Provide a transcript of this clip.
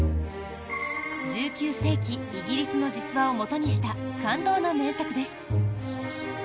１９世紀、イギリスの実話をもとにした感動の名作です。